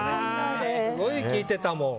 すごい聴いてたもん。